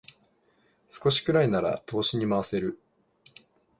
少しくらいなら投資に回せる